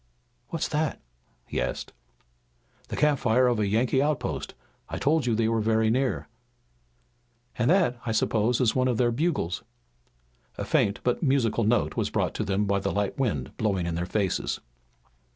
"What's that?" he asked. "The campfire of a Yankee outpost. I told you they were very near." "And that, I suppose, is one of their bugles." A faint but musical note was brought to them by the light wind blowing in their faces.